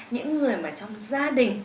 những người trong gia đình